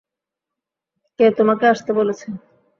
কে তোমাকে আসতে বলেছে?